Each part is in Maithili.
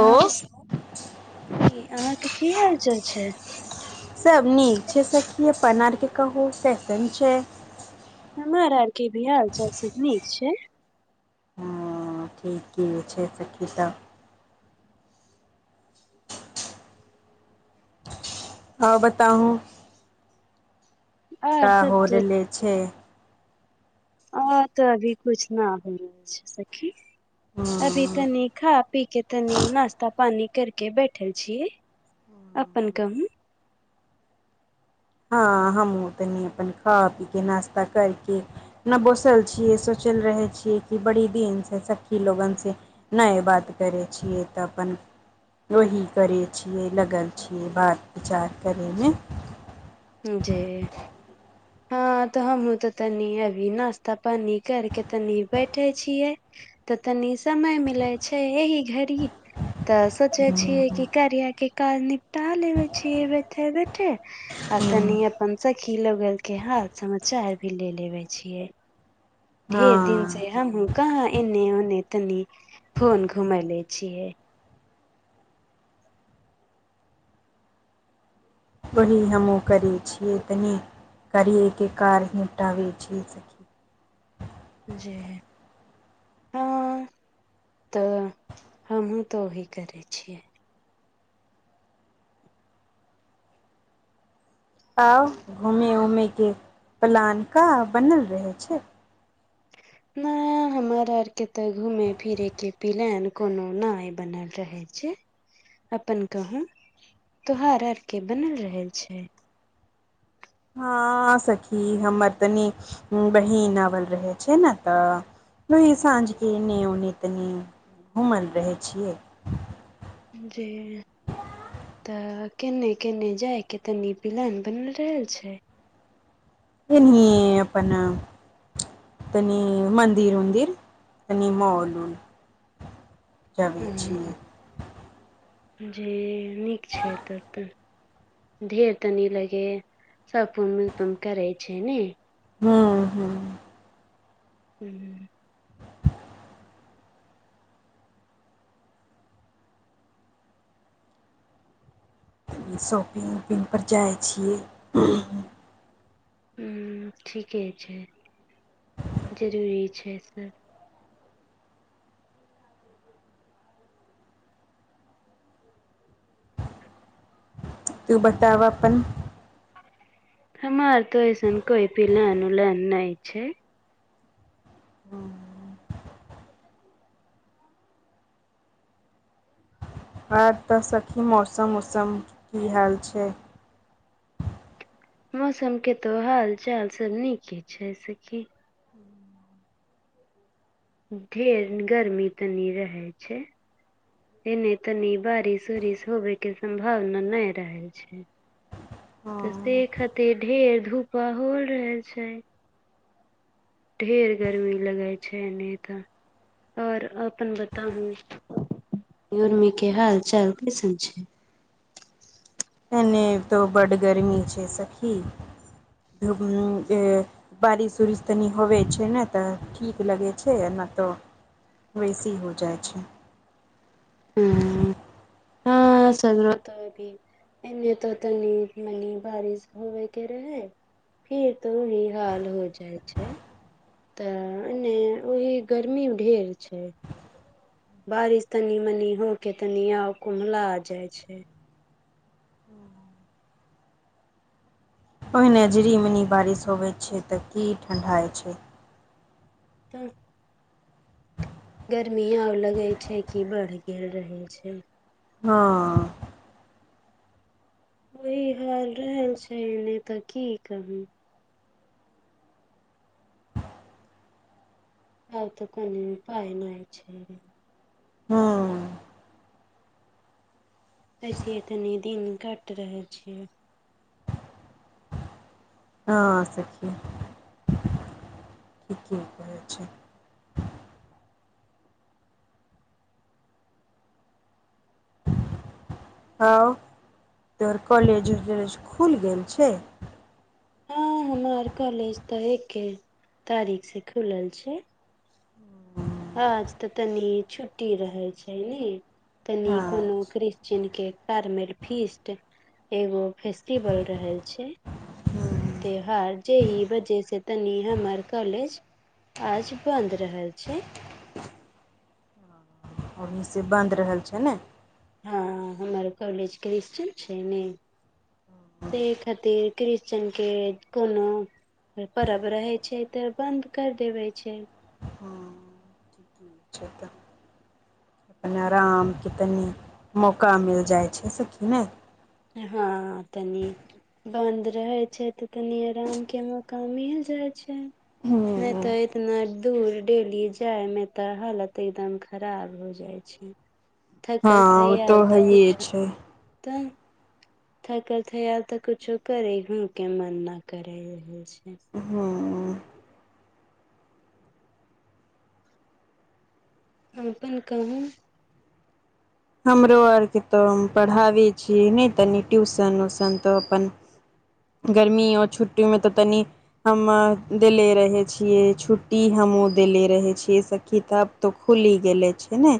हां छि अहाँके की हाल चाल छैई। सब नीक छै सखि अपने आप के कहु केहेन छैई। हमार आर के बिहार स जे नीक छैई। आ की कि होइ छै सखि सब हँ बताउू- - त आर सब होल ले छै- - और तऽ अभी कुछ न हो छैई सखी, हँ अभी कनी खाउ - - पी के तनी नश्ता पानी करके बैठल छिई, अपन कहू - - हँ हम ओ तनी अपन खा पी के नाश्ता करके। न बोसल छियै, सोचल रहै छियै, कि बड़ी दिनसँ स्खी लोगनसँ- - नेइ बात करै छियै तऽ अपन- - वही करै छियै, लगल छियै, बात चाट करैमे- - जे- - हँ तऽ हमहुूँ तनी अभी नाास्ता पानी कर के तनी बैठे छियै। तऽ तनी समय मिलै छै एहिह घड़ी- - तऽ सोचय छियै कि करिया के काईल निपटा लेबय छि बैठे बैठे आ तनि अपन सखी लोकनि के हाल समाचार भी ले लेबय छियै। ढेर दिन हँ से हमहुँ कहाँ एने ओने तनी फोन घुमले छियै। वही हमहुँ करै छियै तनि करिये के कार निपटाबे छियै सखि। जय हँ तऽ हहहुँ तऽ ओही करै छियै। आउ घूमे उमेके प्लान क बनल रहै छैइ। ह न हमर आर के त घूमे फिरे के पेलेन कोनो न बनल रहे छैई। अपन कहू तोहर आर के बनल रह छैइ। हँ सखी हमर तनी बहन आवल रहै छै ने तऽ। वैही साँझ के एने ओने तनी घूमल रहे छियै। जी। तऽ केने केने जाय के तनी प्लान बनि रहल छै। एनी अपन। तनी मन्दिर उन्दिर तनि मॉल उल। जाबै हं छियै जी नीक छै तब तऽ। देर तनी लगे, सब कामो ताम करै छै ने। हूं हूं। हूँ। शॉपिंग उपिंग पर जाइ छियै। हूं ठीके छै जरूरी छै सब। तू बता ब अपन। हमर तऽ ऐसन कोइ पिलान उलान नहि छै। आर तऽ सखी मौसम उसम की हाल छै। मौसम के त हाल चाल सब नीके छै सखी। ढेर गर्मी तनी रहै छै। एने तनी बारिश उरिश होबे के सम्भावना नहि रहै छै। तऽ हँ से खातिर ढेर धूपा होल रहल छै। ढेर गर्मी लगै छै एनी तऽ। और अपन बताबु गर्मी के हाल चाल कैसन छै। एतौ बड गर्मी छै सखी धूप बारिश उरिश तनी होवै छै ने तऽ ठीक लगै छै आ न त वैसी हो जाइ छैय। हं। ओ‌ सब मे त भी एने त तनीक मनी बारिश होबे के रहै। फेर त ओही हाल हो जाय छैय। तऽ एने ओहि गर्मी ढेर छै। बारिश तनि मनि होके तनि और कुम्भला जाइ छै। ओहिना झिनि मिनी बारिश होबै छै तऽ की ठण्डा होइ छै। तऽ। गर्मी आर लगै छै कि बढ़ गेल रहै छै। हँ। ओहि हाल रहै छै नहि तऽ की कहू। और तऽ कोनो उपाय नहि छै। हँ। ऐसे एतनी दिन कट रहल छै। हँ सखि। ठीके कहै छै। और तोहर कॉलेज उलेज खुल गेल छै। हं हमर कॉलेज तऽ एक्के तारीक से खुलल छै। हँ आज तऽ तनी छुट्टी रहै छै ने। तनि हँ कोनो क्रिश्चन के पारमेर फिस्ट। एगो फेस्टिवल रहल छै। त्योहार जे हि बजे से तनि हमर कॉलेज आज बन्द रहै छै। अभी से बन्द रहल छै ने। हँ हमर कॉलेज क्रिश्चन छै ने। ते खातिर क्रिश्चन के कोनो। परब रहै छै तऽ बन्द कर देबै छैय। हँ। ठीके छै तऽ। अपन अरामके तनी मौका मिल जाइ छै सखी नै। हँ तनी। बंद रहै छै तऽ तनी अराम के मौका मिल जाय छै। नै तऽ एतना दूर डेली जाय मे तऽ हालत एदम खराब हो जाय छैय। थकल हँ ओ थैयाल तऽ हइए कुछो छै तऽ। थकल थैयाल त कुछो करहो के मन ने करै हू के मन नै करै छै हू। अपन कहू। हमरो आरके तऽ पढ़ाबै छी नै तनी ट्यूशन उशन तऽ अपन। गर्मी ओ छुट्टीमे तऽ तनि। हमर देले रहै छियै, छुट्टी हमहूँ देले रहै छियै सखी तब आब तऽ खुलि गेले छै ने।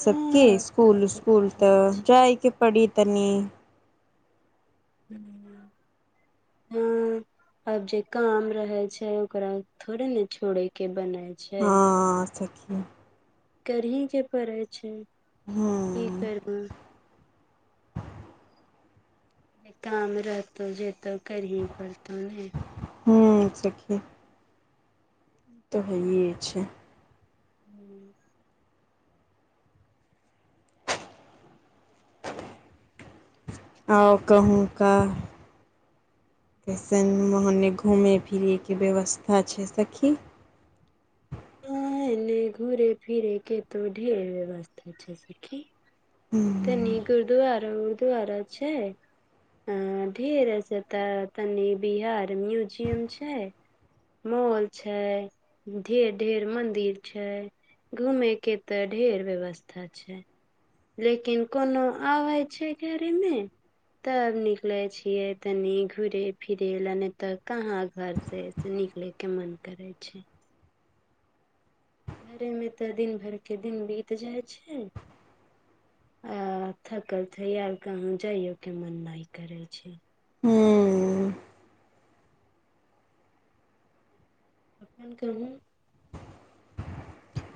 सबके स्कूल -उस्कुल तऽ जायके पड़ी तनी। हू-हं। अब जे काम रहे छै ओकरा थोड़े ने छोड़ै के बनै छै। हं सखी। करहिके पड़ै छै, कि हूँ करबऽ। एक काम रहतौ जे त करही पड़तौ ने। हूं सखी। तऽ होए छै। हूँ। आ कहुँका। कइसन ओहने घुमै फिरैके व्यवस्था छै सखी। एनै घुरै फिरके ढेर व्यवस्था छै सखी। हूँ। तनी गुरुद्वारा -उरुव्दुरा छै। अ ढेर सेतऽ तनि बिहार म्यूजियम छै। मौल छै, ढ़ेर- ढेर मंदिर छै। घूमे के तऽ ढेर व्यवस्था छै। लेकिन कोनो आबै छै गाड़ी में। तब निकले छियै तनी घूुरे फिरे ला नै ते कहा घर से से निकले के मन करै छै। घरेमे तऽ दिन भर के दिन बीत जाइ छै। आ थाकल थैयाल कतोऽ जाइयो के मन नै करै छै। हू। अपन कहू।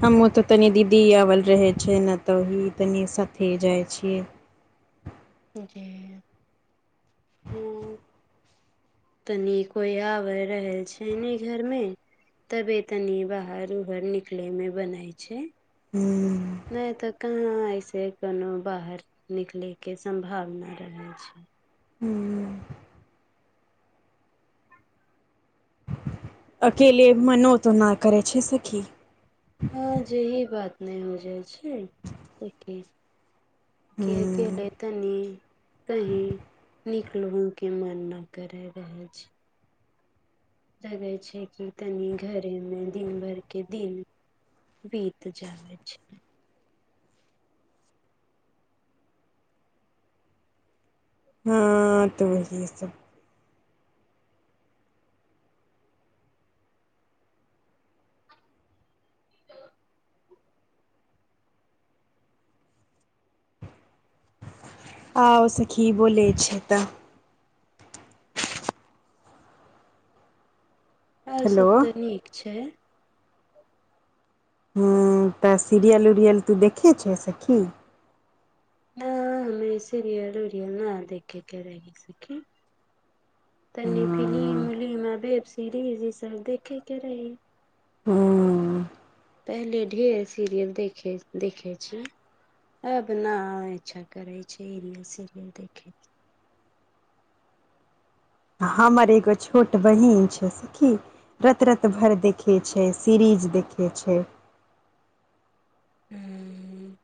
हमहुँ तऽ तनी दीदी आबल रहै छै ने, तऽ ओही तनी साथे जाइ छियै। जे हू। तनि कोई आब रहै छै ने घर में। तबे तनी बाहर- उहर निकले में बनै छै। हु। नै तऽ कहाँ ऐसे कोनो बाहर निकलैके सम्भावना रहै छै। हु। अकेले मनो तऽ ना करै छै सखी। ह जेही बात न हो जाइ छै सखी एले हूँ तनी कहीं निकलहो के मन न करे रहे छै। लगे छै कि तनि घरे मे दिन भर के दिन बीत जाबै छै। ह तऽ वही सब [inaudible] आउ सखी बोलै छै तऽ आउ हेलो सब तऽ निक छै। हूँ तऽ सीरियल उरियल तू देखी छै सेखी। न हमे सिरियल उरियल न देखे के रही सखी। तनी हूँ फिलि्म उलिम आ वेब सीरीज इसब देखेके रही। ओ। पहले ढेर सीरियल देखे देखे छी अब ना इच्छा करे छै हिन्दी सीरियल देखे हमर एगो छोट बहीन छै सखी। रैत रैत भरि देखै छै सीरीज देखै छै। ह हँ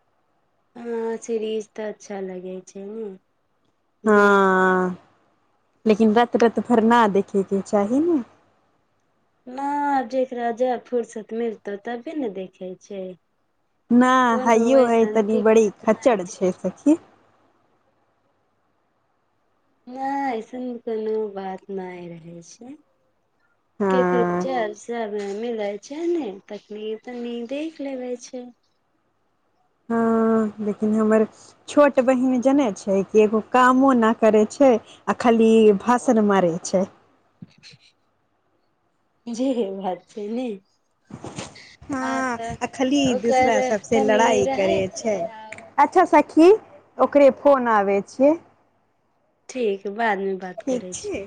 ओना सिरीज त अच्छा लगै छै ने। जे हँ लेकिन रैत रैत भर ना देखेके चाही ने। ना जकरा जब फुर्सत मिलतौ तबे ने देखै छै। ना कोनो हइयो है अइसन तनी बड़ी दिक्कत खच्चड़ नहि छै। सखी ना ऐसन कोनो बात नहि रहै छै। केकरो हँ [unintelligible] मिलय छै ने तखनी तनी देख लेबे छै। हँ लेकिन हमर छोट बहीन जनै छै कि एगो कामो ना करै छै आ खाली भाषण मरै छै। जेहे बात छै ने। हँ आ तऽ आ खाली ओकर दूसरा सबसे कमी लड़ाइ रहै करै छै आब। अच्छा सखी ओकरे फोन आबै छीये। ठीक बादमे बात ठीक करै छै। छी